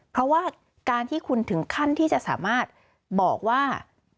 เพราะว่าการที่คุณถึงขั้นที่จะสามารถบอกว่า